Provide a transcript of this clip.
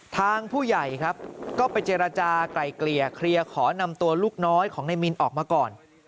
ทางผู้ใหญ่ครับก็ไปเจรจากลายเกลี่ยเคลียร์ขอนำตัวลูกน้อยของนายมินออกมาก่อน